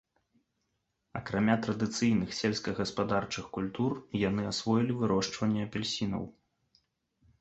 Акрамя традыцыйных сельскагаспадарчых культур, яны асвоілі вырошчванне апельсінаў.